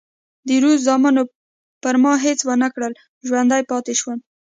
د روس زامنو پر ما هېڅ ونه کړل، ژوندی پاتې شوم.